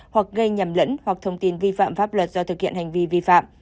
hoặc gây nhầm lẫn hoặc thông tin vi phạm pháp luật do thực hiện hành vi vi phạm